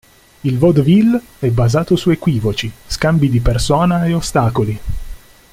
Il vaudeville è basato su equivoci, scambi di persona e ostacoli.